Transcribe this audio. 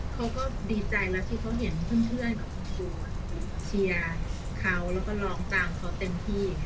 เขาก็ดีใจแล้วที่เขาเห็นเพื่อนแบบเชียร์เขาแล้วก็ร้องตามเขาเต็มที่